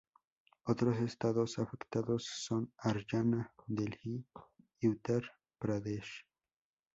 Otros estados afectados son Haryana, Delhi y Uttar Pradesh.